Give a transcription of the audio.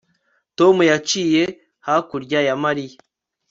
Tom yicaye hakurya ya Mariya